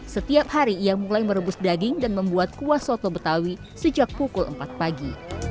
setiap hari ia mulai merebus daging dan membuat kuah soto betawi sejak pukul empat pagi